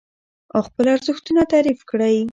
او خپل ارزښتونه تعريف کړئ.